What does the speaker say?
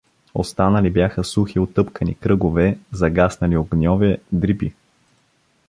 Останали бяха сухи утъпкани кръгове, загаснали огньове, дрипи.